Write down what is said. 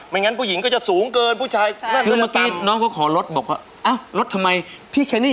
มีก็ต้องลดให้คนนี้